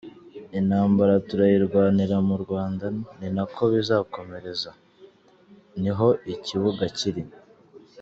Intambara turayirwanira mu Rwanda ni nako bizakomereza; ni ho ikibuga kiri.